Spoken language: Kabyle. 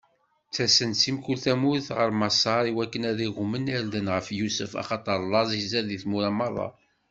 Ttasen-d si mkul tamurt ɣer Maṣer iwakken ad aǧwen irden ɣef Yusef, axaṭer laẓ izad di tmura meṛṛa.